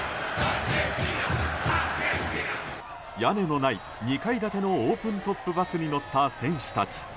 屋根のない２階建てのオープントップバスに乗った選手たち。